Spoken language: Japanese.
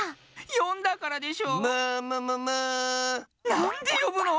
なんでよぶの！